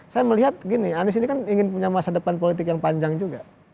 saya melihat gini anies ini kan ingin punya masa depan politik yang panjang juga